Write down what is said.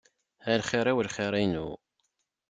A lxir-iw lxir-inu.